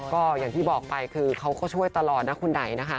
ก็อย่างที่บอกไปคือเขาก็ช่วยตลอดนะคุณไหนนะคะ